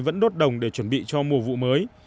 vẫn đốt đồng để chuẩn bị cho mùa vụ mới